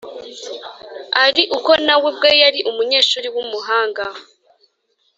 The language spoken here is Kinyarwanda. ari uko na we ubwe yari umunyeshuri w’umuhanga